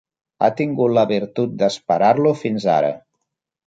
Ha tingut la virtut d'esperar-lo fins ara.